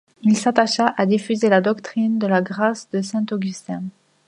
Il s'attacha à diffuser la doctrine de la grâce de saint Augustin.